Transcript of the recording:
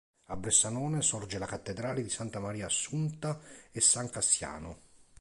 A Bressanone sorge la cattedrale di Santa Maria Assunta e San Cassiano.